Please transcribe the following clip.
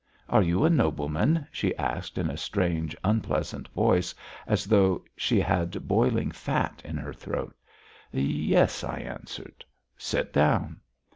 "Are you a nobleman?" she asked in a strange, unpleasant voice as though she had boiling fat in her throat. "Yes," I answered. "Sit down."